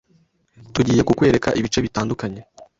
Tugiye kukwereka ibice bitandukanye